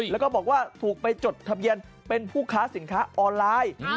แล้วก็บอกว่าถูกไปจดทะเบียนเป็นผู้ค้าสินค้าออนไลน์